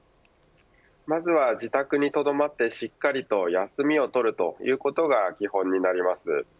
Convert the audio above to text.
まずは自宅にとどまってしっかりと休みを取るということが基本になります。